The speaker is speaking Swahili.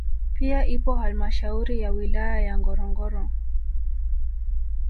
Pia ipo halmashauri ya wilaya ya Ngorongoro